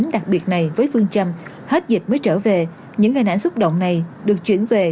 đặc biệt này với phương chăm hết dịch mới trở về những ngày nản xúc động này được chuyển về